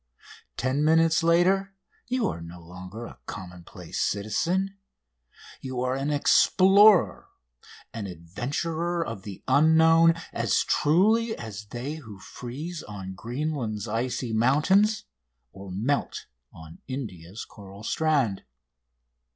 Ten minutes later you are no longer a commonplace citizen you are an explorer, an adventurer of the unknown as truly as they who freeze on Greenland's icy mountains or melt on India's coral strand.